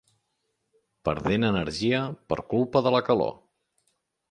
Perdent energia per culpa de la calor.